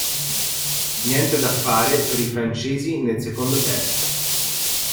Niente da fare per i francesi nel secondo test.